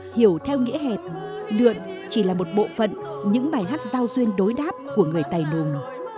hiểu theo nghĩa hẹp lượn chỉ là một bộ phận những bài hát giao duyên đối đáp của người tài nùng